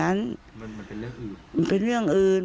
มันมันเป็นเรื่องอื่นมันเป็นเรื่องอื่น